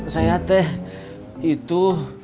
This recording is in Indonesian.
saya teh itu